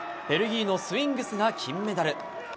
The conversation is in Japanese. ベルギーのスウィングスが金メダル。